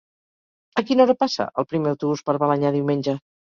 A quina hora passa el primer autobús per Balenyà diumenge?